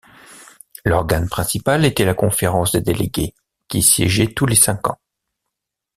L’organe principal était la conférence des délégués, qui siégeait tous les cinq ans.